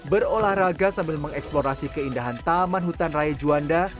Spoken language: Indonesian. berolahraga sambil mengeksplorasi keindahan taman hutan raya juanda